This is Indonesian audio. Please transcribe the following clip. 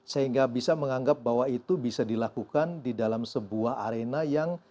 sehingga bisa menganggap bahwa itu bisa dilakukan di dalam sebuah arena yang